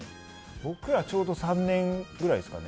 僕はちょうど３年くらいですかね。